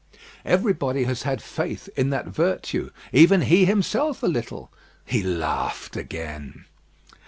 Everybody had had faith in that virtue; even he himself a little. He laughed again.